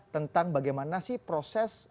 tentang bagaimana sih proses